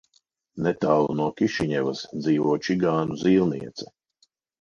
Netālu no Kišiņevas dzīvo čigānu zīlniece.